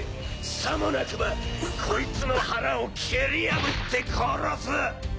さもなくばコイツの腹を蹴り破って殺す！